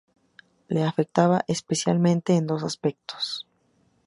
Le afectaba especialmente en dos aspectos.